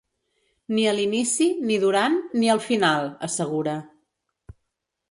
Ni a l’inici, ni durant, ni al final, assegura.